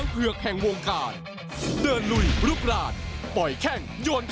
นักมวยไฟแดง